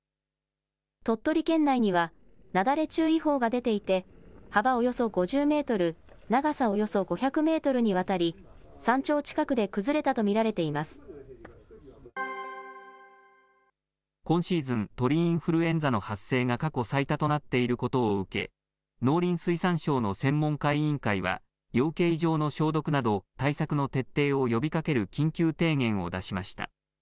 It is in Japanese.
鳥取県内には、雪崩注意報が出ていて、幅およそ５０メートル、長さおよそ５００メートルにわたり、山頂近くで崩れたと見られて今シーズン、鳥インフルエンザの発生が過去最多となっていることを受け、農林水産省の専門家委員会は、養鶏場の消毒など、対策の徹底を呼びかける緊急提言を出しました。